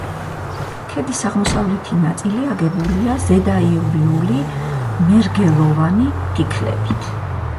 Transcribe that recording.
ქედის აღმოსავლეთი ნაწილი აგებულია ზედაიურული მერგელოვანი ფიქლებით.